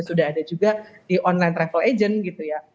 sudah ada juga di online travel agent gitu ya